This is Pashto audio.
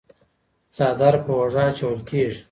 څادر په اوږه اچول کيږي.